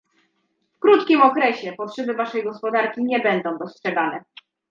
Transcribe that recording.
W krótkim okresie potrzeby waszej gospodarki nie będą dostrzegane